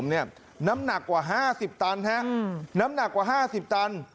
หลังผมเนี่ยน้ำหนักกว่าห้าสิบตันฮะอืมน้ำหนักกว่าห้าสิบตัน